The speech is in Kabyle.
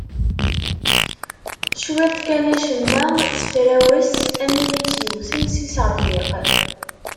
Cwiṭ kan acemma, tefrawes, am win itt-yewten s yiṣerfiq.